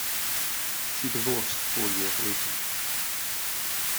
She divorced four years later.